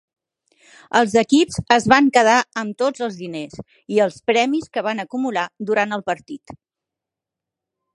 Els equips es van quedar amb tots els diners i els premis que van acumular durant el partit.